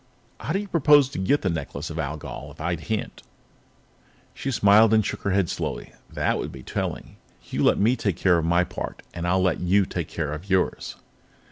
How do you propose to get the Necklace of Algol if I can't?" She smiled and shook her head slowly. "That would be telling. You let me take care of my part, and I'll let you take care of yours."